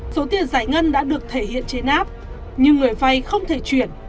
số tiền giải ngân đã được thể hiện trên app nhưng người vay không thể chuyển